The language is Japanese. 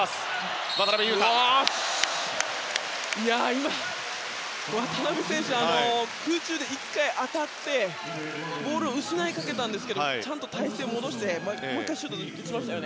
今、渡邊選手が空中で１回当たってボールを失いかけたんですがちゃんと体勢を戻してもう１回シュートを打ちました。